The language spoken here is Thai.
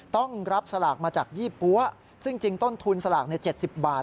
ต้องรับสลากมาจากยี่ปั๊วซึ่งจริงต้นทุนสลากใน๗๐บาท